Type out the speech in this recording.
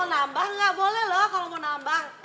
mau nambah gak boleh loh kalau mau nambah